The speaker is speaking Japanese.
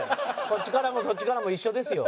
こっちからもそっちからも一緒ですよ。